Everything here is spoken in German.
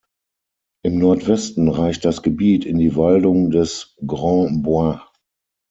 Im Nordwesten reicht das Gebiet in die Waldung des "Grand Bois".